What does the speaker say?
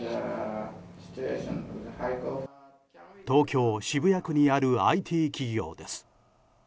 東京・渋谷区にあるＩＴ企業です。